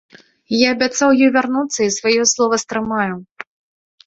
Я абяцаў ёй вярнуцца і сваё слова стрымаю.